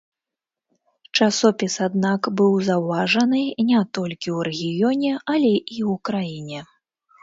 Часопіс, аднак, быў заўважаны не толькі ў рэгіёне, але і ў краіне.